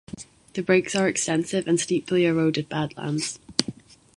The breaks are extensive and steeply eroded badlands.